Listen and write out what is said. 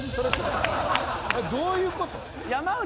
あれどういうこと？